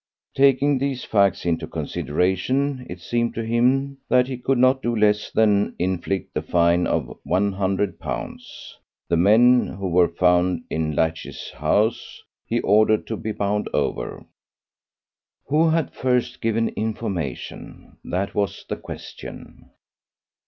Taking these facts into consideration, it seemed to him that he could not do less than inflict a fine of £100. The men who were found in Latch's house he ordered to be bound over." Who had first given information? That was the question.